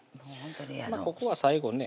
ここは最後ね